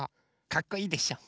かっこいいでしょ？